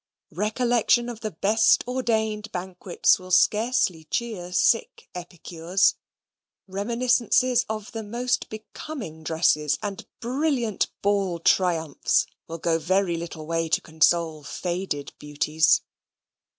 Recollection of the best ordained banquets will scarcely cheer sick epicures. Reminiscences of the most becoming dresses and brilliant ball triumphs will go very little way to console faded beauties.